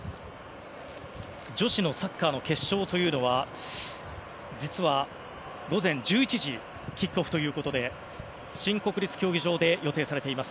女子のサッカーの決勝というのは実は、午前１１時キックオフということで新国立競技場で予定されています。